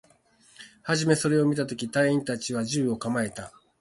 はじめそれを見たとき、隊員達は銃を構えた